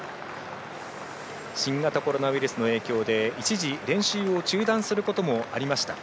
新型コロナウイルスの影響で一時、練習を中断することもありました。